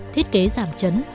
thiết kế giảm chấn